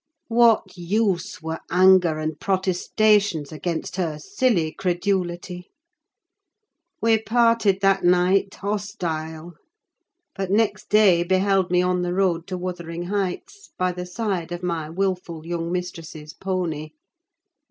What use were anger and protestations against her silly credulity? We parted that night—hostile; but next day beheld me on the road to Wuthering Heights, by the side of my wilful young mistress's pony.